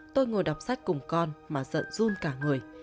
tôi ngồi đọc sách cùng con mà giận run cả người